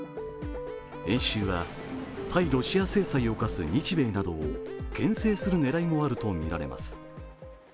演習は対ロシア制裁を科す日米などをけん制する狙いもあると見られます。